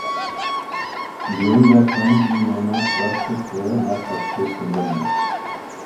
During that time he may not dress his hair nor cut his fingernails.